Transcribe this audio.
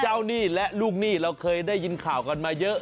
หนี้และลูกหนี้เราเคยได้ยินข่าวกันมาเยอะ